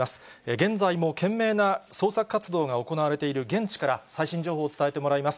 現在も懸命な捜索活動が行われている現地から、最新情報を伝えてもらいます。